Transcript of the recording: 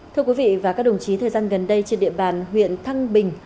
thưa quý vị và các đồng chí thời gian gần đây trên địa bàn huyện thăng bình